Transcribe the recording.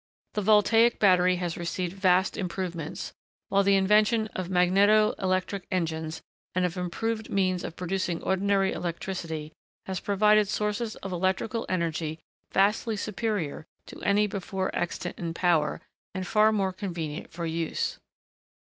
The voltaic battery has received vast improvements; while the invention of magneto electric engines and of improved means of producing ordinary electricity has provided sources of electrical energy vastly superior to any before extant in power, and far more convenient for use.